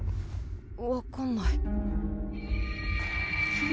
わかんない。